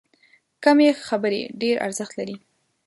کمې خبرې، ډېر ارزښت لري.